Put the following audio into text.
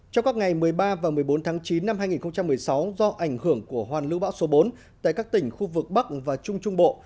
trong các ngày một mươi ba và một mươi bốn tháng chín năm hai nghìn một mươi sáu do ảnh hưởng của hoàn lưu bão số bốn tại các tỉnh khu vực bắc và trung trung bộ